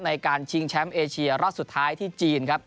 ในการชิงแชมป์เอเชียรอบสุดท้ายที่จีนครับ